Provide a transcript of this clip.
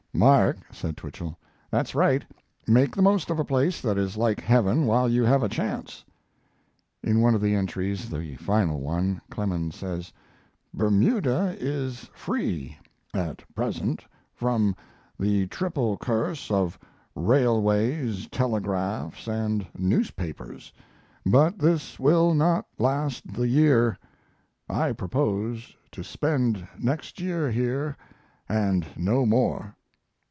"Mark," said Twichell, "that's right; make the most of a place that is like Heaven while you have a chance." In one of the entries the final one Clemens says: "Bermuda is free (at present) from the triple curse of railways, telegraphs, and newspapers, but this will not last the year. I propose to spend next year here and no more."